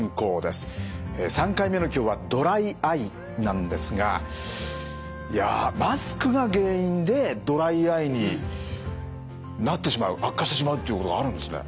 ３回目の今日はドライアイなんですがいやマスクが原因でドライアイになってしまう悪化してしまうっていうことがあるんですね。